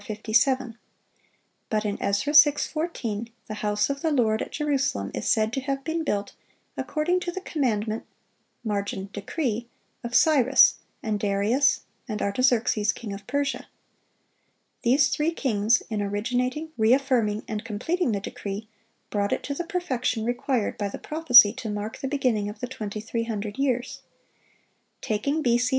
But in Ezra 6:14 the house of the Lord at Jerusalem is said to have been built "according to the commandment [margin, decree] of Cyrus, and Darius, and Artaxerxes king of Persia." These three kings, in originating, re affirming, and completing the decree, brought it to the perfection required by the prophecy to mark the beginning of the 2300 years. Taking B.C.